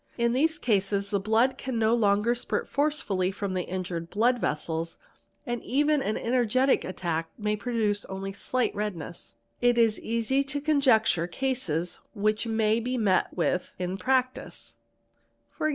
In these cases the blood can no longer spurt forcibly from the injured blood vessels, and even an energetic attack may produce only a slight redness®®, It is easy to conjecture cases which may be met with in practice; e.g.